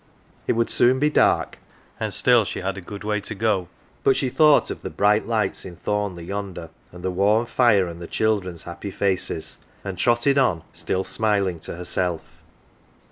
It would soon be dark, and still she had a good way to go ; but she thought of the bright lights in Thornleigh yonder, and the warm fire, and the children's happy faces, and trotted on, still smiling to herself.